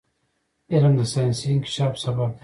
علم د ساینسي انکشاف سبب دی.